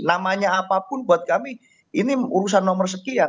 namanya apapun buat kami ini urusan nomor sekian